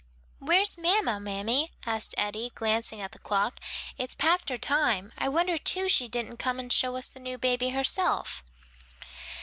"Where's mamma, mammy?" asked Eddie, glancing at the clock; "it's past her time; I wonder too she didn't come to show us the new baby herself."